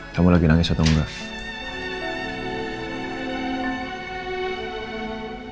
kamu lagi nangis atau enggak